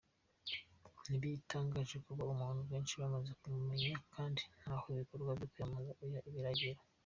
Ntibitangaje kuba abantu benshi bamaze kumumenya kandi ntaho ibikorwa byo kwiyamamaza biragera.